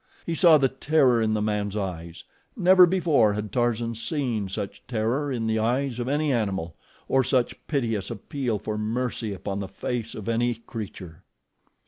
He saw the terror in the man's eyes never before had Tarzan seen such terror in the eyes of any animal, or such a piteous appeal for mercy upon the face of any creature.